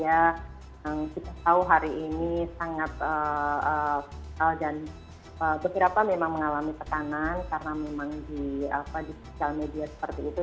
yang kita tahu hari ini sangat vital dan beberapa memang mengalami tekanan karena memang di sosial media seperti itu